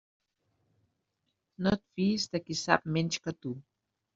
No et fies de qui sap menys que tu.